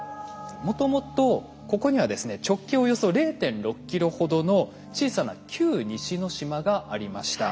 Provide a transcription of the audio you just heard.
もともとここにはですね直径およそ０．６ｋｍほどの小さな旧西之島がありました。